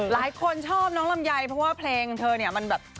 หลายคนชอบน้องลำไยเพราะว่าเพลงเธอเนี่ยมันแบบ